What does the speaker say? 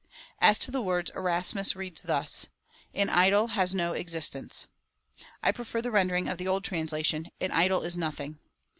As to the words, Erasmus reads thus —" An idol has no existence." I prefer the rendering of the old translation — An idol is nothing.